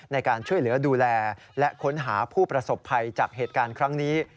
ในการช่วยเหลือดูแลและค้นหาผู้ประสบภัยจากเหตุการณ์ครั้งนี้